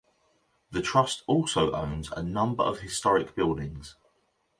The Trust also owns a number of historic buildings.